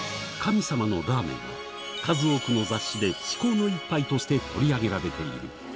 神様のラーメンは、数多くの雑誌で至高の一杯として取り上げられている。